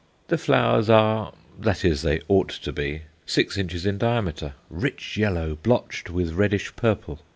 The flowers are that is, they ought to be six inches in diameter, rich yellow, blotched with reddish purple.